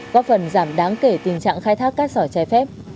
góp phần giảm đáng kể tình trạng khai thác cát sỏi trái phép